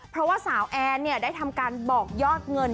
เพราะว่าสาวแอนได้ทำการบอกยอดเงิน